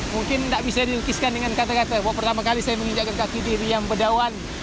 mungkin tidak bisa dilukiskan dengan kata kata pertama kali saya menginjakkan kaki di riam bedawan